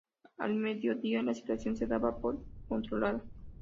Al mediodía, la situación se daba por controlada.